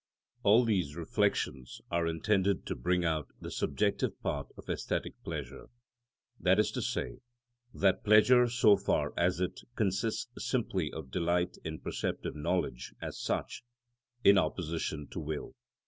§ 39. All these reflections are intended to bring out the subjective part of æsthetic pleasure; that is to say, that pleasure so far as it consists simply of delight in perceptive knowledge as such, in opposition to will.